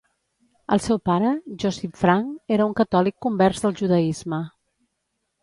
El seu pare, Josip Frank, era un catòlic convers del judaisme.